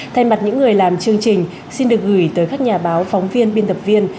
thay mặt những người làm chương trình xin được gửi tới các nhà báo phóng viên biên tập viên